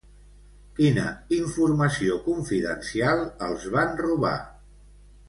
Quina informació confidencial els van robar?